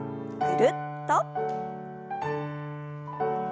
ぐるっと。